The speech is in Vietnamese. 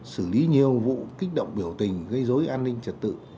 xử lý nhiều vụ kích động biểu tình gây dối an ninh trật tự